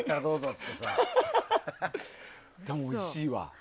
でも、おいしいわ。